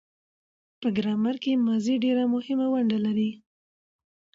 په ګرامر کښي ماضي ډېره مهمه ونډه لري.